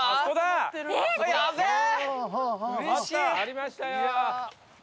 ありましたよ！